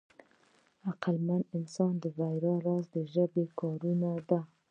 د عقلمن انسان د بریا راز د ژبې کارونه ده.